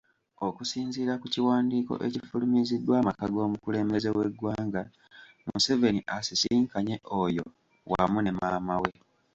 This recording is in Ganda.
Okusinziira ku kiwandiiko ekifulumiziddwa amaka g'omukulembeze w'eggwanga, Museveni asisinkanye Oyo wamu ne maama we.